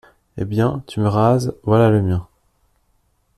Eh bien, tu me rases, voilà le mien.